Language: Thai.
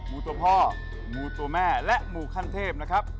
ูตัวพ่อมูตัวแม่และมูขั้นเทพนะครับ